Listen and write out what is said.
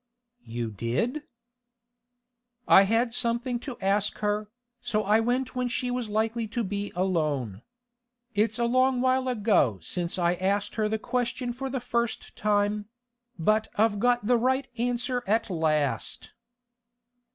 'You did?' 'I had something to ask her, so I went when she was likely to be alone. It's a long while ago since I asked her the question for the first time—but I've got the right answer at last.